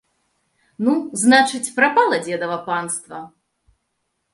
Ну, значыць, прапала дзедава панства!